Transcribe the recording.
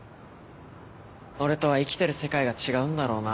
俺とは生きてる世界が違うんだろうな。